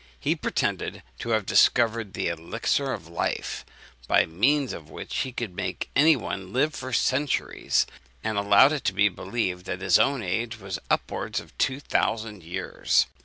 He pretended to have discovered the elixir of life, by means of which he could make any one live for centuries; and allowed it to believed that his own age was upwards of two thousand years.